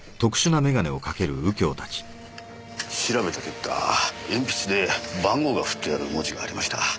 調べた結果鉛筆で番号が振ってある文字がありました。